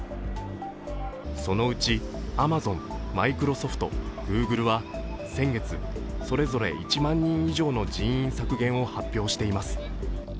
そのうち、アマゾン、マイクロソフト、Ｇｏｏｇｌｅは先月、それぞれ１万人以上の人員削減を発表しています。